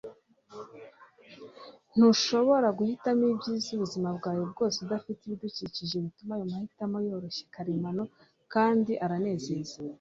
ntushobora guhitamo ibyiza ubuzima bwawe bwose udafite ibidukikije bituma ayo mahitamo yoroshye, karemano, kandi aranezeza. - deepak chopra